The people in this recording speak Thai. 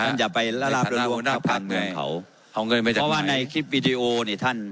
ท่านจะไปละลาบละลวงเข้าทางเมืองเขาเพราะว่าในคลิปวิดีโอนี่ท่าน